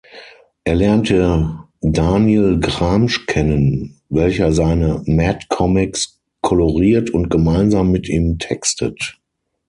Er lernte Daniel Gramsch kennen, welcher seine Mad-Comics koloriert und gemeinsam mit ihm textet.